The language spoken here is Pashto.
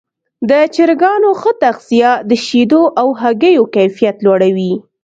د چرګانو ښه تغذیه د شیدو او هګیو کیفیت لوړوي.